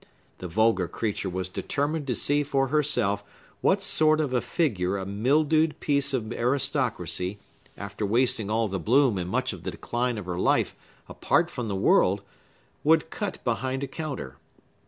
The vulgar creature was determined to see for herself what sort of a figure a mildewed piece of aristocracy, after wasting all the bloom and much of the decline of her life apart from the world, would cut behind a counter.